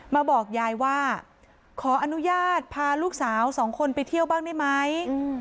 บอกยายว่าขออนุญาตพาลูกสาวสองคนไปเที่ยวบ้างได้ไหม